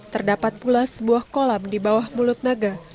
terdapat pula sebuah kolam di bawah mulut naga